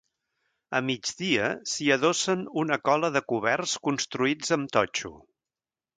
A migdia s'hi adossen una cola de coberts construïts amb totxo.